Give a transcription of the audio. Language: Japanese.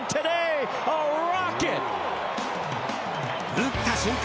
打った瞬間